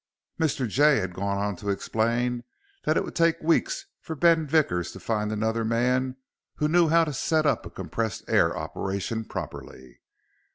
Mr. Jay had gone on to explain that it would take weeks for Ben Vickers to find another man who knew how to set up a compressed air operation properly.